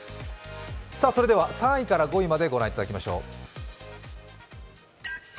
３位から５位まで御覧いただきましょう。